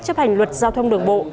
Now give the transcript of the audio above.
chấp hành luật giao thông đường bộ